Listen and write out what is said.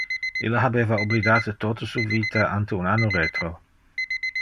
Ille habeva oblidate tote su vita ante un anno retro.